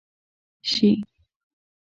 شي،